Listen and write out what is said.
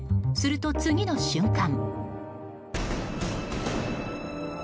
すると次の瞬間。